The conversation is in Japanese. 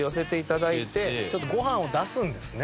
ちょっとご飯を出すんですね。